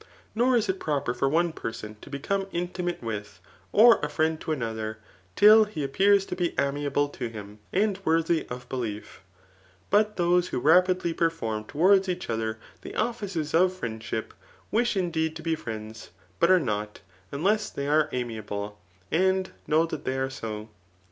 Nor is it proper for one person to become inti Digitized by Google CHAP. IT. 2TH1C8. 895 mate ^Radi» or a fnend to aiustfaer, till he a{^>esirs to be amiable to him, and worthy of belief. But those vrbo fapidly perform towards each other the offices of friends dbip, widi indeed to be friends, but are not, iinkss they are amiable, and know that they are so.